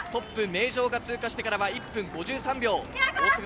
トップの名城が通過してから１分５３秒。